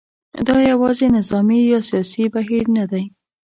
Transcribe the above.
دا یوازې نظامي یا سیاسي بهیر نه دی.